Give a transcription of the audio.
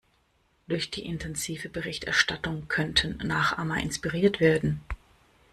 Durch die intensive Berichterstattung könnten Nachahmer inspiriert werden.